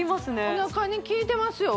おなかに効いてますよ